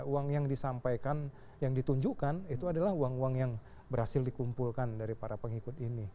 uang yang disampaikan yang ditunjukkan itu adalah uang uang yang berhasil dikumpulkan dari para pengikut ini